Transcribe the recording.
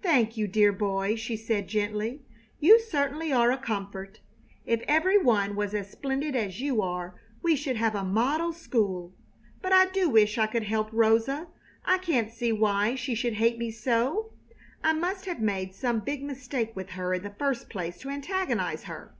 "Thank you, dear boy!" she said, gently. "You certainly are a comfort. If every one was as splendid as you are we should have a model school. But I do wish I could help Rosa. I can't see why she should hate me so! I must have made some big mistake with her in the first place to antagonize her."